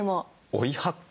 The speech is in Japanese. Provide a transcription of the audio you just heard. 「追い発酵」